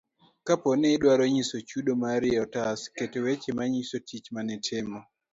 kapo ni idwaro nyiso chudo mari e otas, ket weche manyiso tich manitimo.